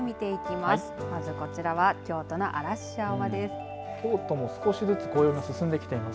まずこちらは京都の嵐山です。